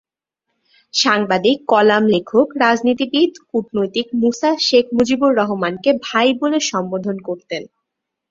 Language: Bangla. সাংবাদিক, কলাম লেখক, রাজনীতিবিদ, কূটনীতিক মূসা শেখ মুজিবুর রহমানকে "ভাই" বলে সম্বোধন করতেন।